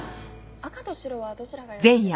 赤と白はどちらがよろしいですか？